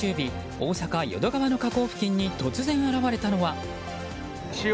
大阪・淀川の河口付近に突然、現れたのは。